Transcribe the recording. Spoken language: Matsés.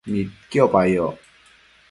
Nidquipa yoc